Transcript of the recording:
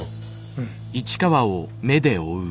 うん。